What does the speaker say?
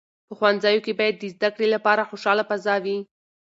په ښوونځیو کې باید د زده کړې لپاره خوشاله فضا وي.